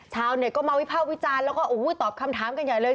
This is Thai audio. ชาวเน็ตก็มาวิภาควิจารณ์แล้วก็ตอบคำถามกันใหญ่เลย